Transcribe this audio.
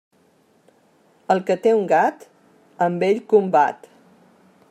El que té un gat, amb ell combat.